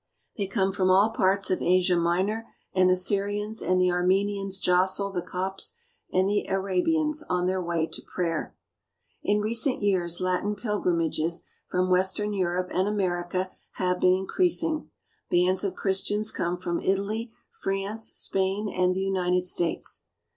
They come from all parts of Asia Minor, and the Syrians and the Armenians jostle the Copts and the Arabians on their way to prayers. In recent years Latin pilgrimages from western Europe and America have been increasing. Bands of Christians come from Italy, France, Spain, and the United States.